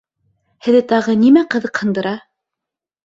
Һеҙҙе тағы нимә ҡыҙыҡһындыра?